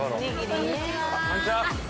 こんにちは。